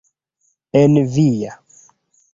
En via!